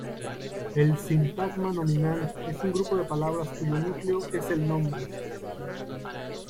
El sintagma nominal es un grupo de palabras cuyo núcleo es el nombre.